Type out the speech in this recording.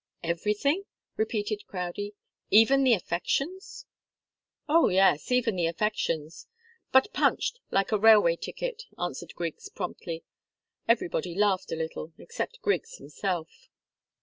"Everything?" repeated Crowdie. "Even the affections?" "Oh, yes even the affections but punched, like a railway ticket," answered Griggs, promptly. Everybody laughed a little, except Griggs himself.